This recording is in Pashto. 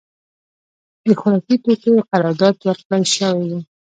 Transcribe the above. د خوارکي توکیو قرارداد ورکړای شوی و.